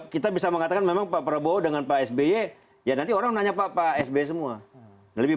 kita bisa mengatakan memang pak prabowo dengan pak sby ya nanti orang nanya papa sby semua lebih